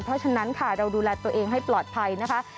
เพราะฉะนั้นค่ะเราดูแลตัวเองให้ปลอดภัยนะคะ